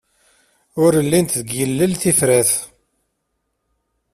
Ur llint deg yilel tifrat.